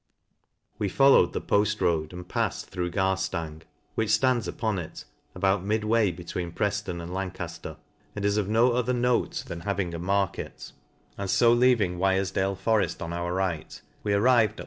We fallowed the pott road, and palled through Gar ■, which ftands upon it, about midway between PreJ'Un and Lancafler, and is of no other note than having a market \ and fo leaving Wirejdale foreft on our right, we arrived at Vol.